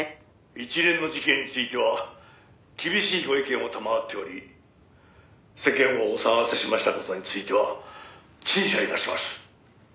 「一連の事件については厳しいご意見を賜っており世間をお騒がせしました事については陳謝致します」